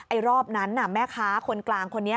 รอบนั้นแม่ค้าคนกลางคนนี้